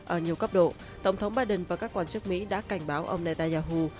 ở nhiều cấp độ tổng thống biden và các quan chức mỹ đã cảnh báo ông netanyahu